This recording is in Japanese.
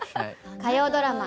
火曜ドラマ